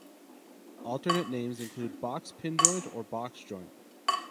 Alternate names include "box-pin joint" or "box joint".